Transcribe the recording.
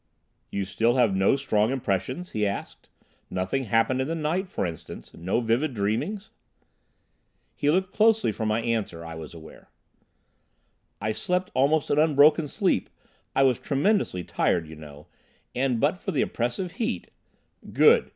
"You still have no strong impressions?" he asked. "Nothing happened in the night, for instance? No vivid dreamings?" He looked closely for my answer, I was aware. "I slept almost an unbroken sleep. I was tremendously tired, you know, and, but for the oppressive heat—" "Good!